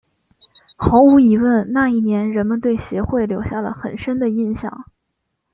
毫无疑问那一年人们对协会留下了很深的印象。